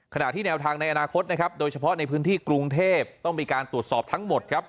ขณะที่แนวทางในอนาคตนะครับโดยเฉพาะในพื้นที่กรุงเทพต้องมีการตรวจสอบทั้งหมดครับ